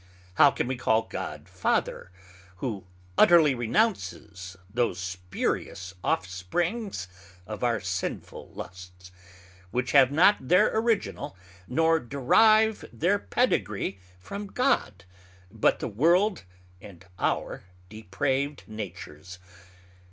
How can we call God Father, who utterly renounces those spurious off springs of our sinful lusts, which have not their Original, nor derive their Pedegree from God, but the World and our depraved Natures?